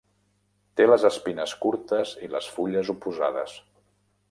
Té les espines curtes i les fulles oposades.